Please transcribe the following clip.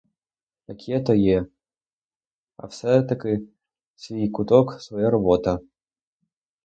Як є, то є, а все-таки свій куток, своя робота.